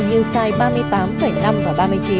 như sai ba mươi tám năm và ba mươi chín